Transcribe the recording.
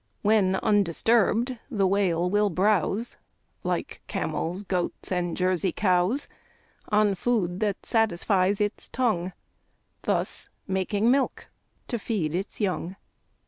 When undisturbed, the Whale will browse Like camels, goats, and Jersey cows, On food that satisfies its tongue, Thus making milk to feed its young.